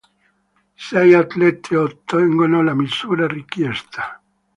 Sei atlete ottengono la misura richiesta.